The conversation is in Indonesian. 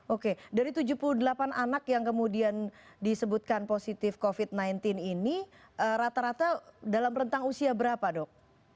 oke dari tujuh puluh delapan anak yang kemudian disebutkan positif covid sembilan belas ini rata rata dalam rentang usia berapa dok